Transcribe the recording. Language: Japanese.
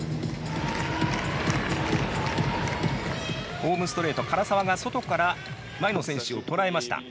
ホームストレート、唐澤が外から前の選手を捉えました。